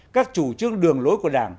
các chủ trương đường lối của đảng